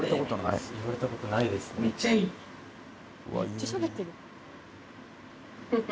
めっちゃしゃべってる。